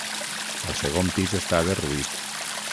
El segon pis està derruït.